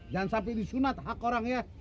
jangan sampai disunat hak orang ya